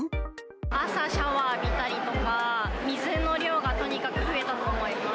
朝、シャワー浴びたりとか、水の量がとにかく増えたと思います。